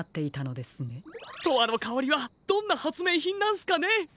「とわのかおり」はどんなはつめいひんなんすかね？